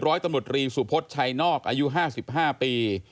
ร้อยตำรวจรีสุพชัยนอกอายุ๕๕ปี